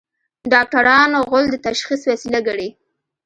ډاکټران غول د تشخیص وسیله ګڼي.